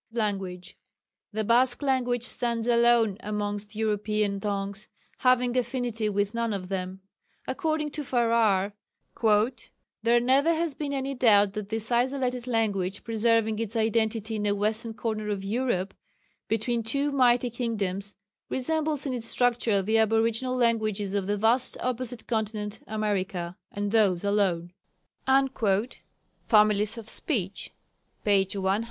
Language. The Basque language stands alone amongst European tongues, having affinity with none of them. According to Farrar, "there never has been any doubt that this isolated language, preserving its identity in a western corner of Europe, between two mighty kingdoms, resembles in its structure the aboriginal languages of the vast opposite continent (America) and those alone" (Families of Speech, p. 132).